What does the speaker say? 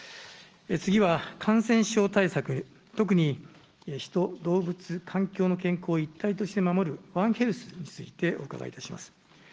次は感染症対策、特に人、動物、環境の健康を一体として守る、ワンヘルスについてお伺いいたします。